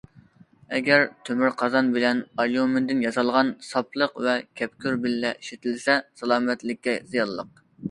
ئەگەر تۆمۈر قازان بىلەن ئاليۇمىندىن ياسالغان ساپلىق ۋە كەپكۈر بىللە ئىشلىتىلسە، سالامەتلىككە زىيانلىق.